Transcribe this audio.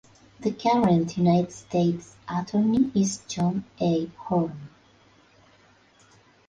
The current United States Attorney is John A. Horn.